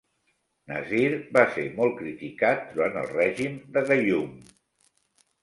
Nasir va ser molt criticat durant el règim de Gayoom.